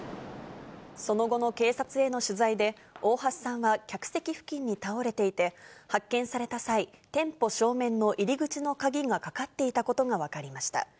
その後の警察への取材で、大橋さんは客席付近に倒れていて、発見された際、店舗正面の入り口の鍵がかかっていたことが分かりました。